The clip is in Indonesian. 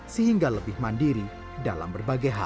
sehingga lebih mandiri dan lebih berpengalaman